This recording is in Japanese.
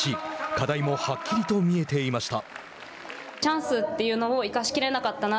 課題もはっきりと見えていました。